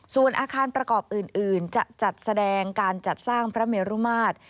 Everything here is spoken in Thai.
ส่วนอาคารประกอบอื่นจะจัดแสดงการจัดสร้างพระเมรุมาตร